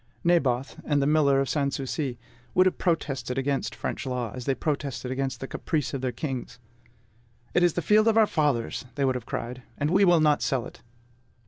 Naboth, and the miller of Sans Souci, would have protested against French law, as they protested against the caprice of their kings. "It is the field of our fathers," they would have cried, "and we will not sell it!"